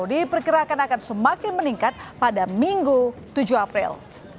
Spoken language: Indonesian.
diperkirakan akan semakin meningkat pada minggu tujuh april